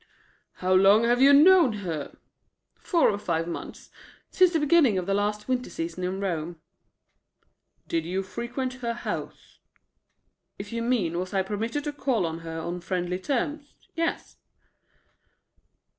"How long have you known her?" "Four or five months. Since the beginning of the last winter season in Rome." "Did you frequent her house?" "If you mean, was I permitted to call on her on friendly terms, yes."